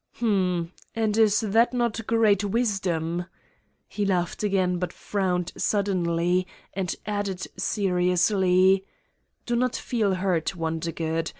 "Hm! ... And is that not great wisdom?" He laughed again but frowned suddenly and added seriously: "Do not feel hurt, Wondergood.